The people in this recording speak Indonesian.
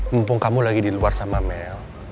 mumpung kamu lagi di luar sama mel